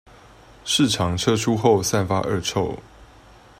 市場撤出後散發惡臭